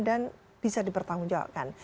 dan bisa dipertanggungjawabkan